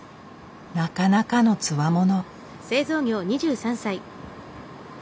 なかなかのつわもの。